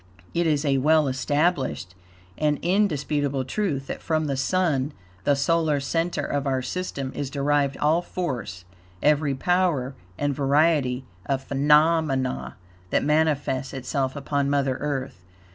It is a well established and indisputable truth that from the Sun, the solar center of our system, is derived all force, every power and variety of phenomena that manifests itself upon Mother Earth.